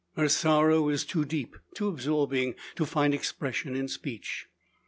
Her sorrow is too deep, too absorbing, to find expression in speech.